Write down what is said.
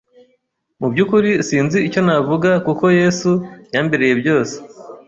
Mu byukuri sinzi icyo navuga kuko Yesu yambereye byose,